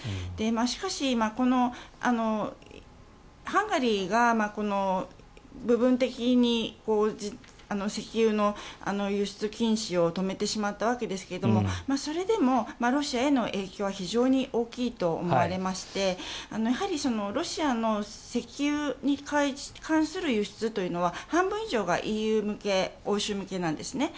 しかし、ハンガリーが部分的に石油の輸出禁止を止めてしまったわけですがそれでもロシアへの影響は非常に大きいと思われましてやはりロシアの石油に関する輸出というのは半分以上がＥＵ向け、欧州向けなんですね。